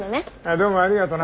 どうもありがとな。